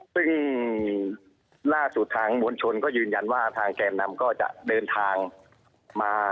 ซึ่งล่าสุดทางมวลชนก็ยืนยันว่าทางแกนนำก็จะเดินทางมา